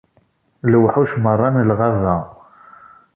Lewḥuc merra n lɣaba.